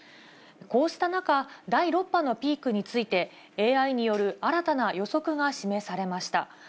こうした中、第６波のピークについて、ＡＩによる新たな予測が示されました。